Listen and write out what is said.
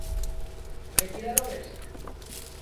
Retirar o Brexit?